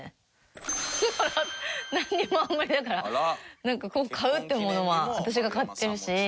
なんにもあんまりだからなんか買うっていうものは私が買ってるし。